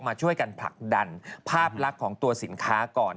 มาช่วยกันผลักดันภาพลักษณ์ของตัวสินค้าก่อน